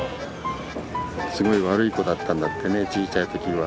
すごい悪い子だったんだってねちいちゃい時は。